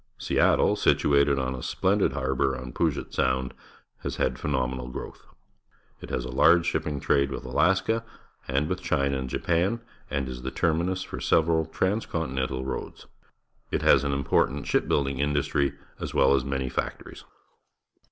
Seattle, situated on a splendid harbour on Paget Sound, has had a phenomenal growth. It has a large ship ping trade with Alaska and with China and Japan and is the terminus for several transcontinental roads. It has an important ship building in dustry, as well as manj'^ factories.